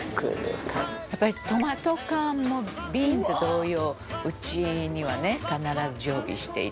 「やっぱりトマト缶もビーンズ同様うちには必ず常備していて」